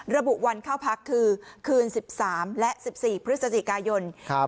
ระบุวันเข้าพักคือคืนสิบสามและสิบสี่พฤศจิกายนครับ